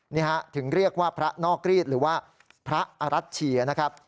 นี่ฮะถึงเรียกว่าพระนอกรีดหรือว่าพระอรัชเชียนะครับ